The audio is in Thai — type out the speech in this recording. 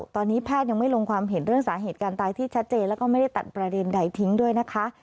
ตอนนี้แพทย์ยังไม่ลงความเห็นเรื่องสาเหตุการตายที่ชัดเจนแล้วก็ไม่ได้ตัดประเด็นใดทิ้งด้วยนะคะ